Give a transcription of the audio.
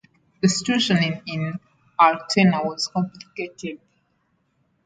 The situation in Altena was complicated.